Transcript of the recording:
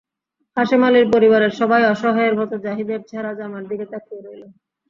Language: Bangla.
হাশেম আলীর পরিবারের সবাই অসহায়ের মতো জাহিদের ছেঁড়া জামার দিকে তাকিয়ে রইল।